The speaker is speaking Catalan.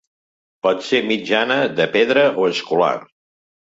Pot ser mitjana, de pedra o escolar.